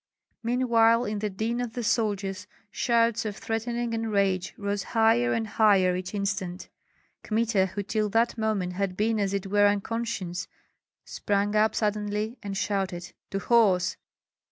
Meanwhile in the din of the soldiers shouts of threatening and rage rose higher and higher each instant. Kmita, who till that moment had been as it were unconscious, sprang up suddenly and shouted, "To horse!"